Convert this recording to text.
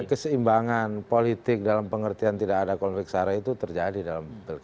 keseimbangan politik dalam pengertian tidak ada konflik sarah itu terjadi dalam pilkada